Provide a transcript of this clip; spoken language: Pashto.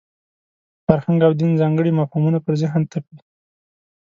فرهنګ او دین ځانګړي مفهومونه پر ذهن تپي.